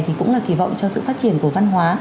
thì cũng là kỳ vọng cho sự phát triển của văn hóa